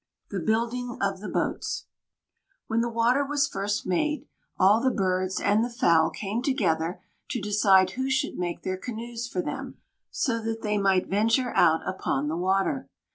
THE BUILDING OF THE BOATS When the water was first made, all the birds and the fowl came together to decide who should make their canoes for them, so that they might venture out upon the water.